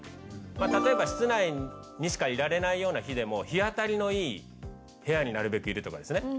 例えば室内にしか居られないような日でも日当たりのいい部屋になるべく居るとかですね。